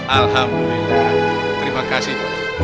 alhamdulillah terima kasih